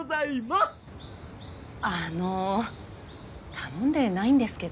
あの頼んでないんですけど。